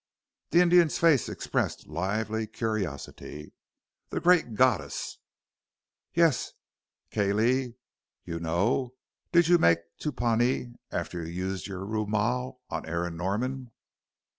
The Indian's face expressed lively curiosity. "The great goddess." "Yes. Kalee, you know. Did you make Tupounee after you used your roomal on Aaron Norman?"